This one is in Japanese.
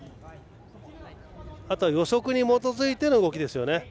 あとは予測に基づいての動きです。